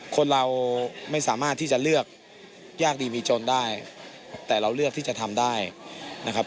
คนเราไม่สามารถที่จะเลือกยากดีมีจนได้แต่เราเลือกที่จะทำได้นะครับ